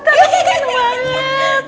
ya kan banget